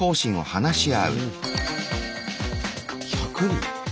１００人！